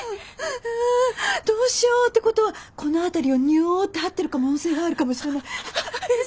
あどうしよう。ってことはこの辺りをにゅおってはってる可能性があるかもしれない。